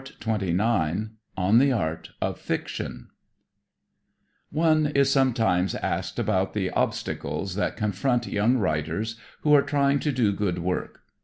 The Library, June 23, 1900 On the Art of Fiction One is sometimes asked about the "obstacles" that confront young writers who are trying to do good work.